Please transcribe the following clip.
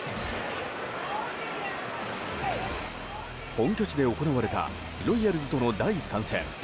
本拠地で行われたロイヤルズとの第３戦。